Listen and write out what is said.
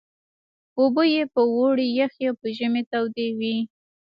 اوبه یې په اوړي یخې او په ژمي تودې وې.